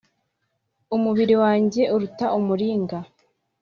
Mubiri wanjye uruta umuringa.